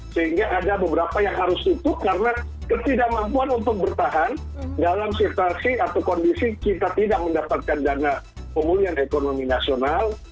sehingga ada beberapa yang harus tutup karena ketidakmampuan untuk bertahan dalam situasi atau kondisi kita tidak mendapatkan dana pemulihan ekonomi nasional